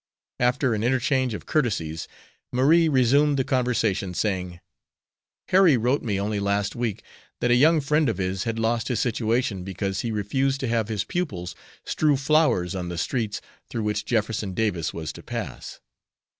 After an interchange of courtesies, Marie resumed the conversation, saying: "Harry wrote me only last week that a young friend of his had lost his situation because he refused to have his pupils strew flowers on the streets through which Jefferson Davis was to pass."